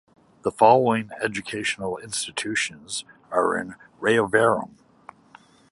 The following educational institutions are in Rayavaram.